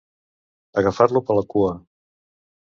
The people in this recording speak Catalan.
Agafar-lo per la cua.